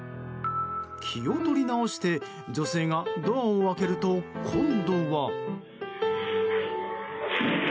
気を取り直して女性がドアを開けると今度は。